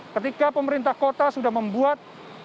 ketika pemerintah kota sudah membuat